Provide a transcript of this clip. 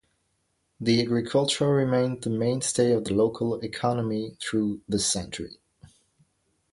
The Agriculture remained the mainstay of the local economy through the century.